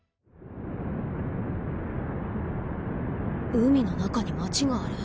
海の中に町がある。